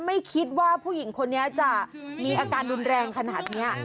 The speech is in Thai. ไม่คิดว่าผู้หญิงคนนี้จะมีอาการรุนแรงขนาดนี้